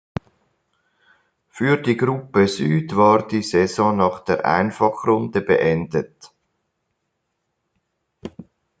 Für die Gruppe Süd war die Saison nach der Einfachrunde beendet.